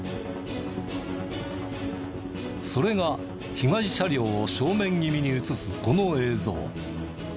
それが被害車両を正面気味に映すこの映像。